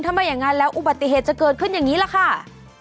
ถ้าไม่อย่างนั้นแล้วอุบัติเหตุจะเกิดขึ้นอย่างนี้แหละค่ะ